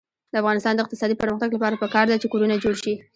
د افغانستان د اقتصادي پرمختګ لپاره پکار ده چې کورونه جوړ شي.